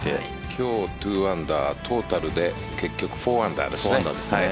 今日２アンダートータルで結局４アンダーですね。